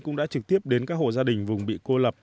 cũng đã trực tiếp đến các hộ gia đình vùng bị cô lập